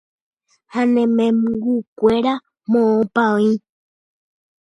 ha ne membykuéra moõpa oĩ